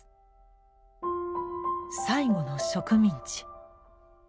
「最後の植民地」。